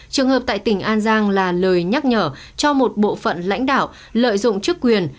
trường hợp tại tỉnh an giang là lời nhắc nhở cho một bộ phận lãnh đạo lợi dụng chức quyền